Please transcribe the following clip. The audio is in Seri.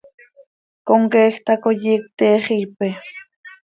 Comqueej tacoi iicp pte xiipe.